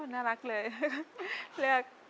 น่ารักเลย